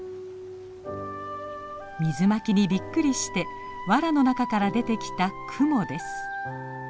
水まきにびっくりしてわらの中から出てきたクモです。